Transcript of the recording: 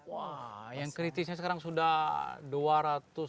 wah yang kritisnya sekarang sudah dua ratus ribu hektar